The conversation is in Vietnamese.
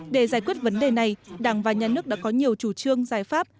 để giải quyết vấn đề này đảng và nhà nước đã có nhiều chủ trương giải pháp